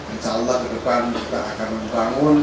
insya allah ke depan kita akan membangun